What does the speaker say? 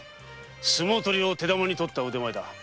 相撲取りを手玉にとった腕前だぞ。